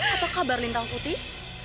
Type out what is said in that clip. apa kabar lintang putih